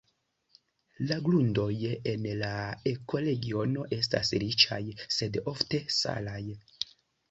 La grundoj en la ekoregiono estas riĉaj, sed ofte salaj.